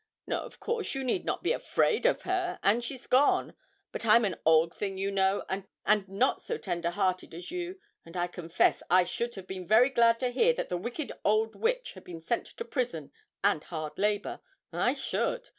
No, of course, you need not be afraid of her. And she's gone. But I'm an old thing, you know, and not so tender hearted as you; and I confess I should have been very glad to hear that the wicked old witch had been sent to prison and hard labour I should.